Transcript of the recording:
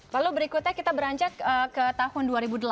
lalu berikutnya kita beranjak ke tahun dua ribu delapan belas